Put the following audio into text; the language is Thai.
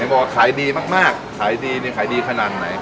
ให้บอกว่าขายดีมากขายดีขายดีขนาดไหน